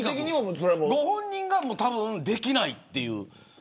ご本人ができないっていう。